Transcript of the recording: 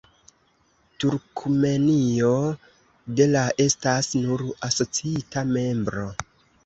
Turkmenio de la estas nur asociita membro.